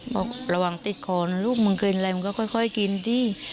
บอกระหว่างติดคอลูกมันกินอะไรมันก็ค่อยกินสิ